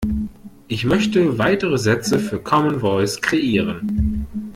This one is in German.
Ich möchte weitere Sätze für Commen Voice kreieren.